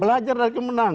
belajar dari kemenangan